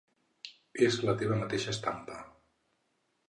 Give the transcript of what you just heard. És la teva mateixa estampa.